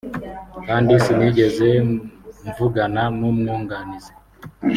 kandi sinigeze mvugana n’umwunganizi